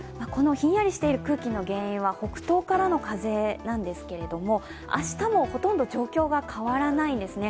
ひんやりしている空気の原因は北東からの風なんですけれども、明日もほとんど状況が変わらないんですね。